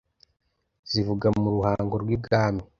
zivuga mu ruhango rw' ibwami